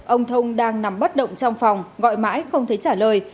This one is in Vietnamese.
ông thông đang nằm bất động trong phòng gọi mãi không thấy trả lời